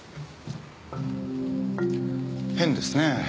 変ですねえ。